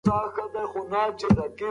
موږ باید د یو بل تر څنګ ودرېږو.